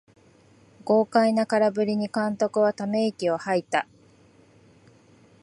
豪快な空振りに監督はため息をはいた